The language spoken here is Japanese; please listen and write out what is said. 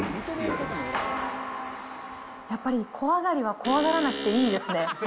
やっぱり、小上がりは小上がらなくていいですね。